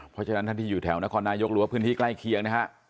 เพราะฉะนั้นท่านที่อยู่แถวนครนายกหรือว่าพื้นที่ใกล้เคียงนะฮะ